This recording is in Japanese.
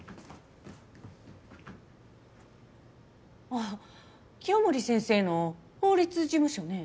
あっ清守先生の法律事務所ね。